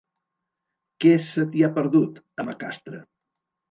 Què se t'hi ha perdut, a Macastre?